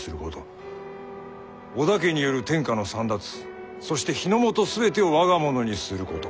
織田家による天下の簒奪そして日ノ本全てを我が物にすること。